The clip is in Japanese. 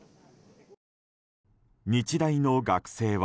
日大の学生は。